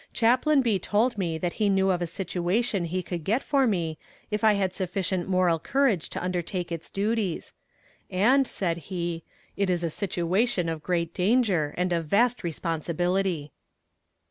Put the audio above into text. Chaplain B. told me that he knew of a situation he could get for me if I had sufficient moral courage to undertake its duties; and, said he, "it is a situation of great danger and of vast responsibility."